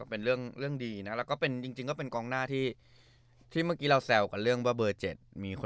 เป็นเรื่องดีจริงก็เป็นกองหน้าที่เมื่อกี้เราแซวกับเรื่องเบอร์เจ็ด